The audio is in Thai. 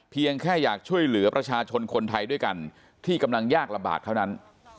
เพียงแค่อยากช่วยเหลือประชาชนคนไทยด้วยกันที่กำลังยากลำบากเท่านั้น